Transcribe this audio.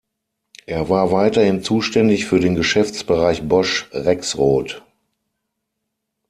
Er war weiterhin zuständig für den Geschäftsbereich Bosch Rexroth.